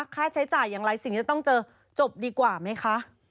ค่าใช้จ่ายอย่างไรสิ่งที่จะต้องเจอจบดีกว่าไหมคะ